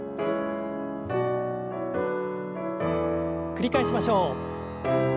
繰り返しましょう。